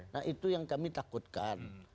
nah itu yang kami takutkan